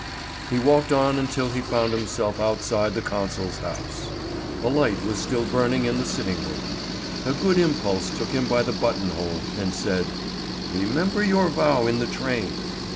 He walked on until he found himself outside the consul's house. A light was still burning in the sitting room. A good impulse took him by the button hole and said: "Remember your vow in the train!"